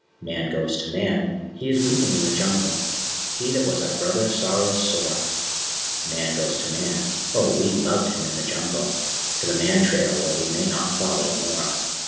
Man goes to Man! He is weeping in the Jungle: He that was our Brother sorrows sore! Man goes to Man! (Oh, we loved him in the Jungle!) To the Man Trail where we may not follow more.